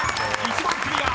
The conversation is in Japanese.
１問クリア！